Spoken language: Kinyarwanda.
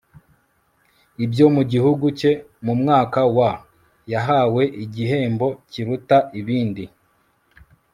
ibyo mu gihugu ke. mu mwaka wa yahawe igihembo kiruta ibindi